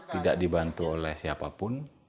tidak dibantu oleh siapapun